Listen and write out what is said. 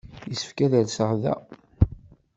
Yessefk ad rseɣ da.